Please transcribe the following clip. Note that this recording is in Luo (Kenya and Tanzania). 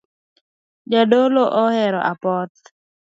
Jadolo ohero apoth